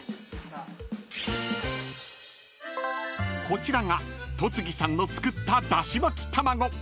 ［こちらが戸次さんの作っただし巻き玉子］